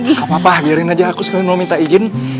nggak apa apa biarin aja aku sekali mau minta izin